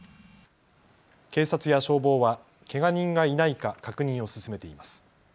警察や消防はけが人がいないか確認を進めています。